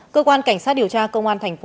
cơ quan cảnh sát điều tra công an thành phố